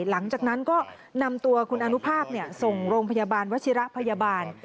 หลังจากนั้นก็นำตัวคุณอนุภาพส่งโรงพยาบาลวชิระพยาบาล